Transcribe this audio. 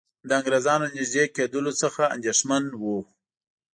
د انګریزانو نیژدې کېدلو څخه اندېښمن وو.